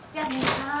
はい。